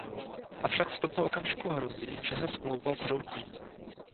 Avšak v tomto okamžiku hrozí, že se Smlouva zhroutí.